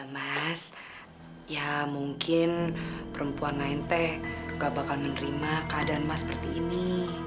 mas ya mungkin perempuan main teh gak bakal menerima keadaan emas seperti ini